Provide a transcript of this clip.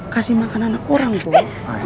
kasih makan anak orang toh